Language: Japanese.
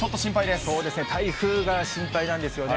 そうですね、台風が心配なんですよね。